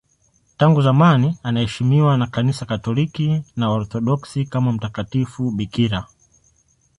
Tangu zamani anaheshimiwa na Kanisa Katoliki na Waorthodoksi kama mtakatifu bikira.